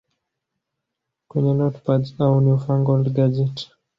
kwenye notepads au newfangled gadget